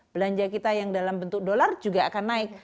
belanja kita yang dalam bentuk dolar juga akan naik